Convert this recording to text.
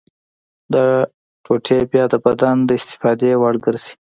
دا ټوټې بیا د بدن د استفادې وړ ګرځي.